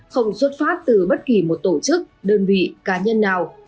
không xuất phát từ bất kỳ một tổ chức đơn vị cá nhân nào